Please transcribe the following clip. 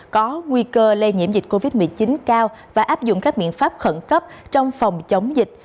có nguy cơ lây nhiễm dịch covid một mươi chín cao và áp dụng các biện pháp khẩn cấp trong phòng chống dịch